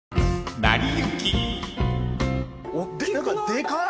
でかい！